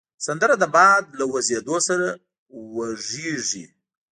سندره د باد له وزېدو سره وږیږي